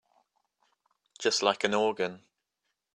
Just like an organ.